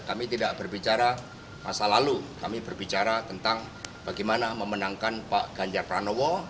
kami tidak berbicara masa lalu kami berbicara tentang bagaimana memenangkan pak ganjar pranowo